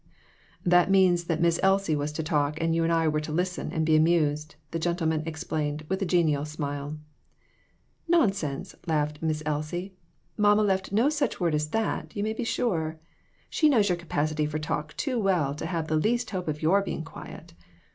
"That means that Miss Elsie was to talk, and you and I were to listen and be amused," the gentleman explained, with a genial smile. "Nonsense!" laughed Miss Elsie. "Mamma left no such word as that, you may be sure. She knows your capacity for talk too well to have the least hope of your being quiet.